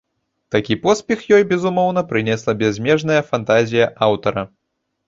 Такі поспех ёй, безумоўна, прынесла бязмежная фантазія аўтара.